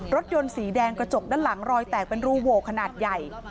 รถยนต์สีแดงกระจกด้านหลังรอยแตกเป็นรูโหวขนาดใหญ่